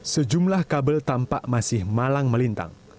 sejumlah kabel tampak masih malang melintang